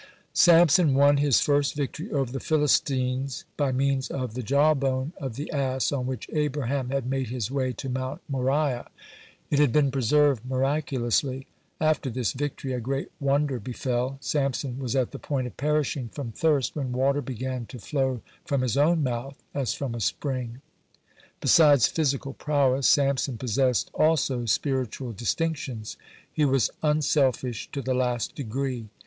(117) Samson won his first victory over the Philistines by means of the jawbone of the ass on which Abraham had made his way to Mount Moriah. It had been preserved miraculously. (118) After this victory a great wonder befell. Samson was at the point of perishing from thirst, when water began to flow from his own mouth as from a spring. (119) Besides physical prowess, Samson possessed also spiritual distinctions. He was unselfish to the last degree.